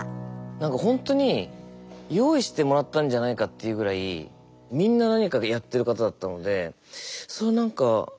何かほんとに用意してもらったんじゃないかっていうぐらいみんな何かでやってる方だったのでそれ何か驚きましたね。